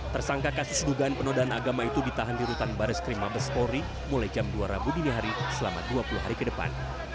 tersangka kasus dugaan penodaan agama itu ditahan di rutan baris krim mabes polri mulai jam dua rabu dini hari selama dua puluh hari ke depan